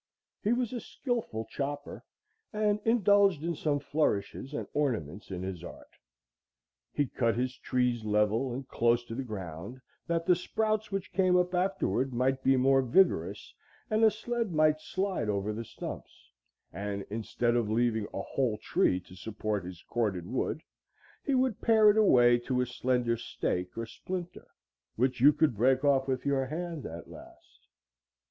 He was a skilful chopper, and indulged in some flourishes and ornaments in his art. He cut his trees level and close to the ground, that the sprouts which came up afterward might be more vigorous and a sled might slide over the stumps; and instead of leaving a whole tree to support his corded wood, he would pare it away to a slender stake or splinter which you could break off with your hand at last.